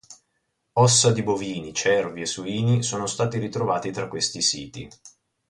Ossa di bovini, cervi e suini sono stati ritrovati tra questi siti.